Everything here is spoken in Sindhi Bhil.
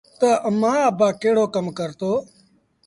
تا امآݩ ابآ ڪهڙو ڪم ڪرتو